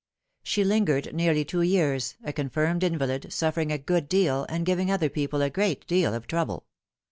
She lingered nearly two years, a confirmed invalid, suffering a good deal, and giving other people a great deal of trouble.